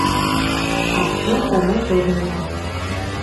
Аштың тәме тоҙ менән